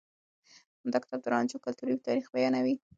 دا کتاب د رانجو کلتوري تاريخ بيانوي.